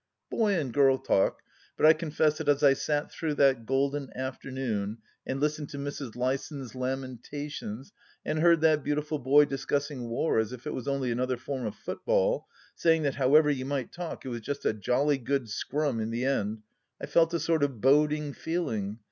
Boy and girl talk, but I confess that as I sat through that golden afternoon and listened to Mrs. Lysons' lamentations and heard that beautiful boy dis cussing war as if it was only another form of football, saying that however you might talk, it was " just a jolly good scrum in the end," I felt a sort of boding feeling.